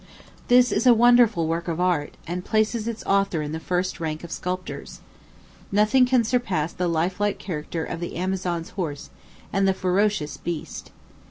This is a wonderful work of art, and places its author in the first rank of sculptors. Nothing can surpass the lifelike character of the Amazon's horse and the ferocious beast.